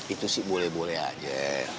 itu sih boleh boleh aja